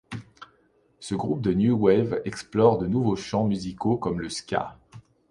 Ce groupe de new wave explore de nouveaux champs musicaux comme le ska.